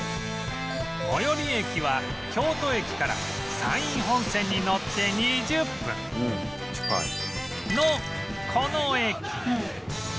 最寄り駅は京都駅から山陰本線に乗って２０分のこの駅